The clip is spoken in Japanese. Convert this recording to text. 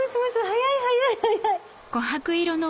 早い早い早い。